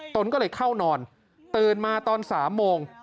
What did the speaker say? ตนก็เลยเข้านอนตื่นมาตอน๓โมง